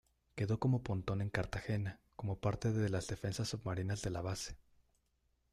Quedó como pontón en Cartagena, como parte de las defensas submarinas de la base.